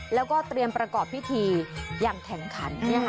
แล้วก็เตรียมประกอบพิธีอย่างแข็งขัน